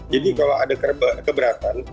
jadi kalau ada keberatan